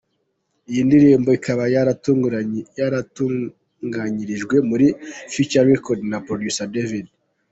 Iyi ndirimbo ikaba yaratunganyirijwe muri Future record na producer David.